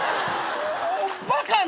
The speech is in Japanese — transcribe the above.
バカな！